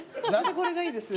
これがいいですよ。